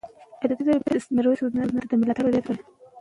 اعتمادالدولة میرویس ته د ملاتړ یو لیک ورکړ.